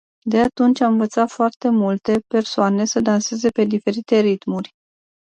De atunci, am învățat foarte multe persoane să danseze pe diferite ritmuri.